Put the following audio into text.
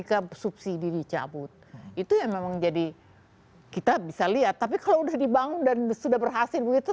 kabut itu yang memang jadi kita bisa lihat tapi kalau udah dibangun dan sudah berhasil begitu